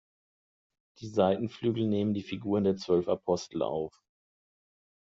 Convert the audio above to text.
Die Seitenflügel nehmen die Figuren der zwölf Apostel auf.